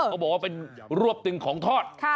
เขาบอกว่าเป็นรวบตึงของทอด